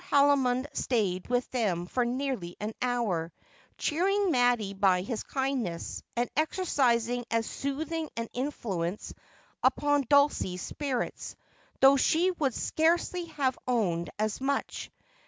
Haldimond stayed with them for nearly an hour, cheering Mattie by his kindness, and exercising as soothing an influence upon Dulcie's spirits, though she would scarcely have owned as much.